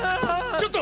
ちょっと！